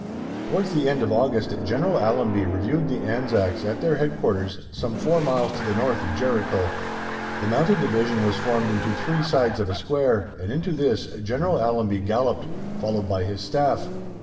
Towards the end of August General Allenby reviewed the Anzacs at their Headquarters, some four miles to the north of Jericho. The Mounted Division was formed into three sides of a square, and into this General Allenby galloped, followed by his Staff.